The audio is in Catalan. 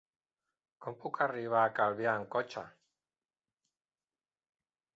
Com puc arribar a Calvià amb cotxe?